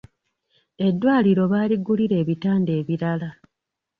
Eddwaliro baaligulira ebitanda ebirala.